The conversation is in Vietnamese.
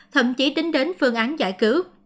thậm chí tính đến phương án giải cứu